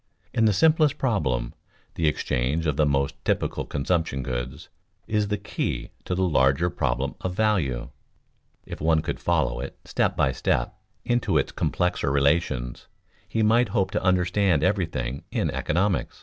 In the simplest problem, the exchange of the most typical consumption goods, is the key to the larger problem of value. If one could follow it step by step into its complexer relations, he might hope to understand everything in economics.